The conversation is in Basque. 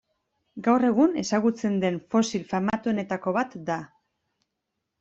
Gaur egun ezagutzen den fosil famatuenetako bat da.